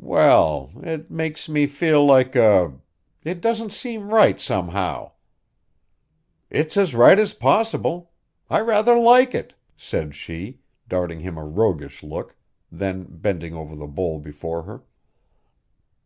"Well, it makes me feel like a it doesn't seem right, somehow." "It's as right as possible. I rather like it," said she, darting him a roguish look, then bending over the bowl before her.